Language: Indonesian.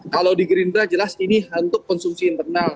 kalau di gerindra jelas ini hantu konsumsi internal